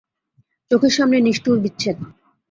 চোখের সামনেই নিষ্ঠুর বিচ্ছেদ।